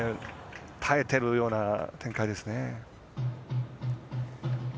耐えてるような展開ですね。